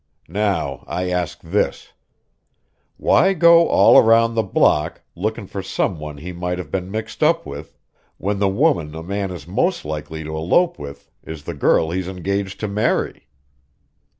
Now I ask this why go all around the block, looking for some one he might have been mixed up with, when the woman a man is most likely to elope with is the girl he's engaged to marry?"